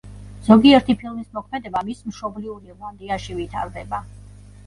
ზოგიერთი ფილმის მოქმედება მის მშობლიურ ირლანდიაში ვითარდება.